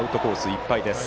いっぱいです。